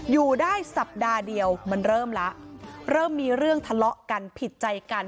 อยู่ได้สัปดาห์เดียวมันเริ่มแล้วเริ่มมีเรื่องทะเลาะกันผิดใจกัน